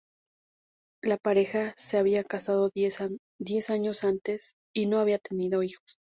La pareja se había casado diez años antes y no había tenido hijos.